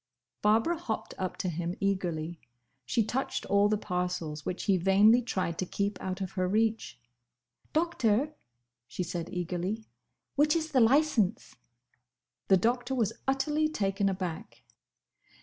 Barbara hopped up to him eagerly. She touched all the parcels, which he vainly tried to keep out of her reach. "Doctor," she said, eagerly, "which is the licence?" The Doctor was utterly taken aback.